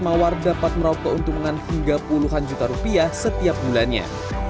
semoga makhluk velgama produksi kelompok tenun ikat mawar dapat merobe keuntungan hingga puluhan juta rupiah setiap bulannya